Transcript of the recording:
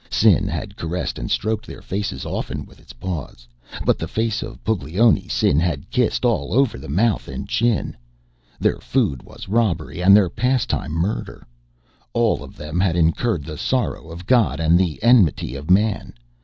Sin had caressed and stroked their faces often with its paws, but the face of Puglioni Sin had kissed all over the mouth and chin. Their food was robbery and their pastime murder. All of them had incurred the sorrow of God and the enmity of man.